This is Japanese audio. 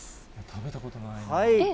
食べたことないな。